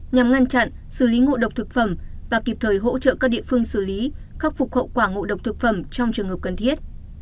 nhằm ngăn chặn xử lý ngộ độc thực phẩm và kịp thời hỗ trợ các địa phương xử lý khắc phục hậu quả ngộ độc thực phẩm trong trường hợp cần thiết